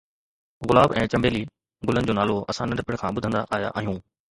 گلاب ۽ چنبيلي گلن جو نالو اسان ننڍپڻ کان ٻڌندا آيا آهيون.